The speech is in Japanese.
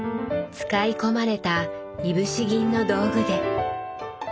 使い込まれたいぶし銀の道具で。